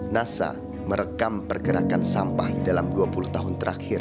nasa merekam pergerakan sampah dalam dua puluh tahun terakhir